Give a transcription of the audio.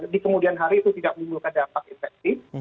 di kemudian hari itu tidak mengimbulkan dampak infeksi